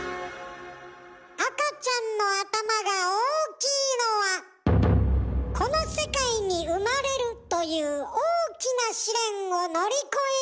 赤ちゃんの頭が大きいのはこの世界に生まれるという大きな試練を乗り越えるため。